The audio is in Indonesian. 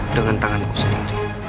dengan tanganku sendiri